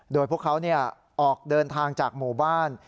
โดยพวกเขาออกเดินทางจากหมู่บ้าน